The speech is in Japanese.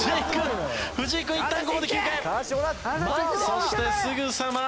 そしてすぐさま。